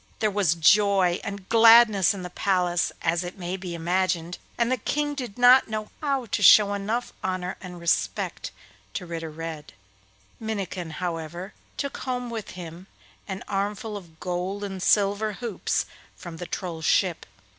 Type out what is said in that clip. There was joy and gladness in the palace, as may be imagined, and the King did not know how to show enough honour and respect to Ritter Red. Minnikin, however, took home with him an armful of gold and silver hoops from the Troll's ship.